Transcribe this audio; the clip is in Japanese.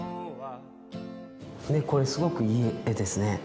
これすごくいい絵ですね。